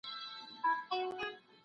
ښه فکر کول ستاسو د ژوند توازن ساتي.